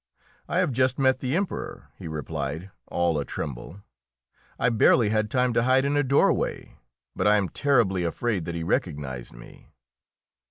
"I have just met the Emperor," he replied, all a tremble, "I barely had time to hide in a doorway, but I am terribly afraid that he recognised me."